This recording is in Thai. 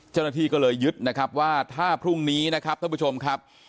เจ้าหน้าที่ก็เลยยึดนะครับว่าถ้าพรุ่งนี้นะครับท่านผู้ชมครับ